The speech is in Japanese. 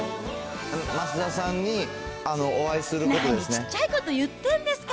増田さんにお会いすることですね。